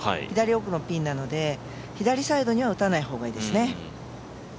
左奥のピンなので、左サイドには打たない方がいいですね。